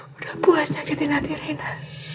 sudah puas sakitin hati rena